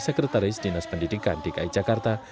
sekretaris dinas pendidikan dki jakarta